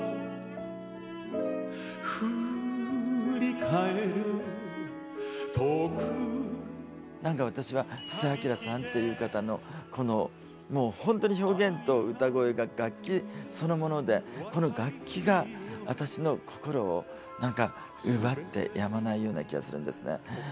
「夢は夜ひらく」なんか私は布施明さんっていう方の本当に表現と歌声が楽器そのものでこの楽器が私の心を奪ってやまないような気がするんですね。